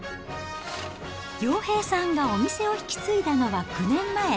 洋平さんがお店を引き継いだのは、９年前。